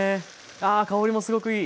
あ香りもすごくいい。